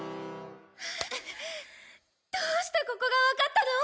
どうしてここがわかったの！？